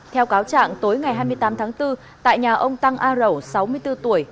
theo cáo trạng tối ngày hai mươi tám tháng bốn tại nhà ông tăng a rẩu sáu mươi bốn tuổi